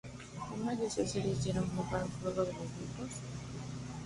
Algunas de esas series dieron lugar luego a los libros.